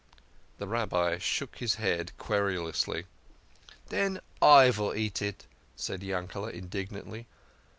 The Rabbi shook his head querulously. "Den I vill eat it," cried Yankele indignantly.